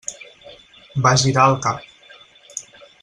Va girar el cap.